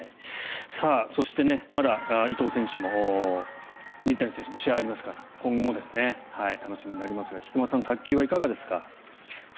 そして、まだ伊藤選手も水谷選手も試合がありますから今後も楽しみになりますが菊間さん、卓球はいかがですか？